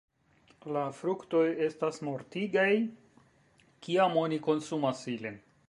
La fruktoj estas mortigaj, kiam oni konsumas ilin.